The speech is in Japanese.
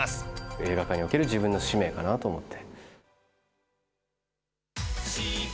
映画界における自分の使命かなと思って。